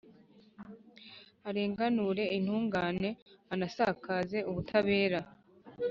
arenganure intungane, anasakaze ubutabera.